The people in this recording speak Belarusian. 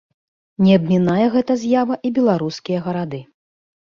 Не абмінае гэта з'ява і беларускія гарады.